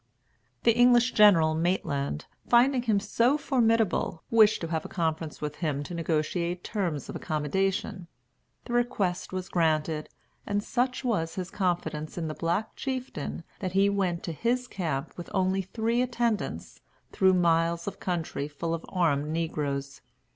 The English general Maitland, finding him so formidable, wished to have a conference with him to negotiate terms of accommodation. The request was granted; and such was his confidence in the black chieftain that he went to his camp with only three attendants, through miles of country full of armed negroes.